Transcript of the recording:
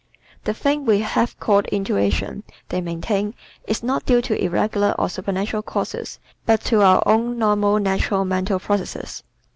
The thing we have called intuition, they maintain, is not due to irregular or supernatural causes but to our own normal natural mental processes.